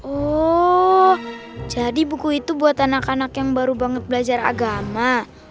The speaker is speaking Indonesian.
oh jadi buku itu buat anak anak yang baru banget belajar agama